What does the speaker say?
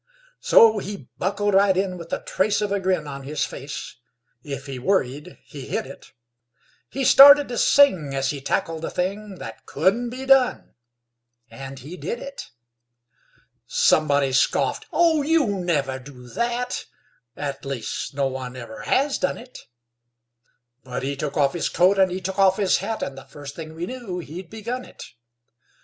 So he buckled right in with the trace of a grin On his face. If he worried he hid it. He started to sing as he tackled the thing That couldn't be done, and he did it. Somebody scoffed: "Oh, you'll never do that; At least no one ever has done it"; But he took off his coat and he took off his hat, And the first thing we knew he'd begun it.